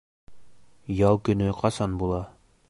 Ял көнө ҡасан була?